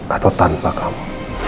atau tanpa kamu